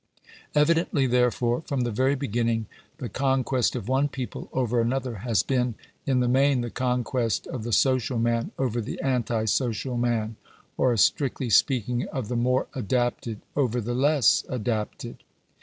Evidently, therefore, from the very beginning, the conquest of one people over another has been, in the main, the conquest of the social man over the anti social Digitized by VjOOQIC GENERAL CONSIDERATIONS. 41 T man ; or, strictly speaking, of the more adapted over the less I adapted.